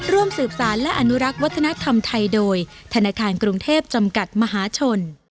ร่วมสืบสารและอนุรักษ์วัฒนธรรมไทยโดยธนาคารกรุงเทพจำกัดมหาชน